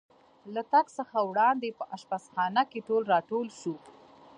له تګ څخه وړاندې په اشپزخانه کې ټول را ټول شو.